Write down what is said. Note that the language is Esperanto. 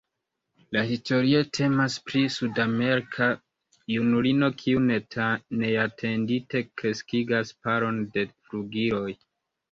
La historio temas pri sudamerika junulino kiu neatendite kreskigas paron de flugiloj.